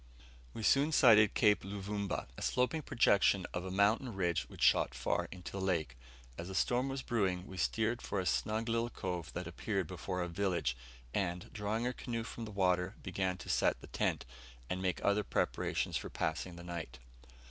We soon sighted Cape Luvumba a sloping projection of a mountain ridge which shot far into the lake. As a storm was brewing, we steered for a snug little cove that appeared before a village; and, drawing our canoe from the water, began to set the tent, and make other preparations for passing the night.